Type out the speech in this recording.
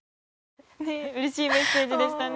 嬉しいメッセージでしたね。